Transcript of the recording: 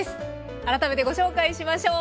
改めてご紹介しましょう。